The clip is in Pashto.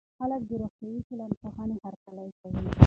خلګ د روغتيائي ټولنپوهنې هرکلی کوي.